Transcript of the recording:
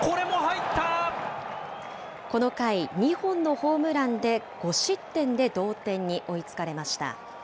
この回、２本のホームランで５失点で同点に追いつかれました。